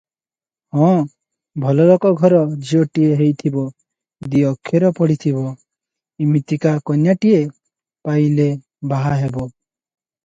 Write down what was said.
ହଁ, ଭଲଲୋକ ଘର ଝିଅଟିଏ ହୋଇଥିବ, ଦି ଅକ୍ଷର ପଢିଥିବ, ଇମିତିକା କନ୍ୟାଟିଏ ପାଇଲେ ବାହା ହେବ ।"